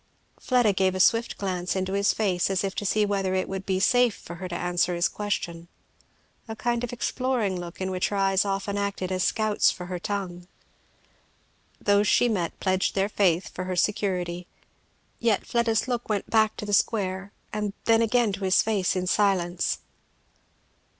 Fleda gave a swift glance into his face, as if to see whether it would be safe for her to answer his question; a kind of exploring look, in which her eyes often acted as scouts for her tongue. Those she met pledged their faith for her security; yet Fleda's look went back to the square and then again to his face in silence.